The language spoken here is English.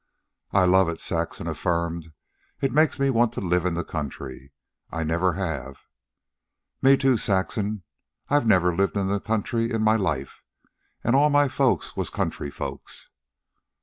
"I love it," Saxon affirmed. "It makes me want to live in the country, and I never have." "Me, too, Saxon. I've never lived in the country in my life an' all my folks was country folks."